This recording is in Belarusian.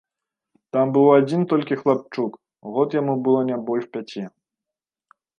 Там быў адзін толькі хлапчук, год яму было не больш пяці.